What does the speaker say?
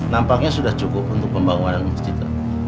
nampaknya sudah cukup untuk pembangunan masjid kita